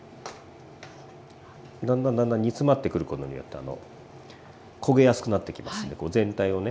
だんだんだんだん煮詰まってくることによって焦げやすくなってきますので全体をね